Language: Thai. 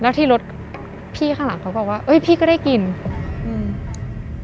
แล้วที่รถพี่ข้างหลังเขาบอกว่าเอ้ยพี่ก็ได้กินอืม